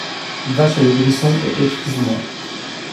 Va chez le Brison et excuse-moi.